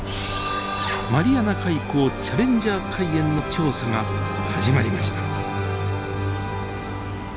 マリアナ海溝チャレンジャー海淵の調査が始まりました。